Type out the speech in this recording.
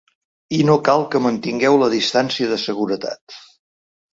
I no cal que mantingueu la distància de seguretat.